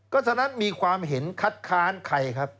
ก็ฉะนั้นมีความเห็นคัดค้านใครครับ